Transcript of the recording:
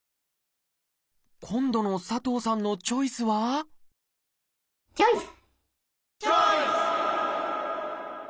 今度の佐藤さんのチョイスはチョイス！